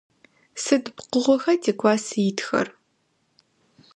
Сыд пкъыгъоха тикласс итхэр?